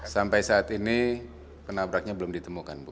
sampai saat ini penabraknya belum ditemukan bu